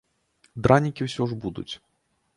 Дранікі ўсё ж будуць.